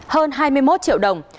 hơn hai mươi một triệu đồng